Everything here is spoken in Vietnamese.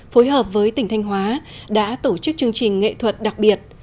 phối hợp với tỉnh thanh hóa đã tổ chức chương trình nghệ thuật đặc biệt